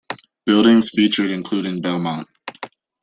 Buildings featured included Belmont.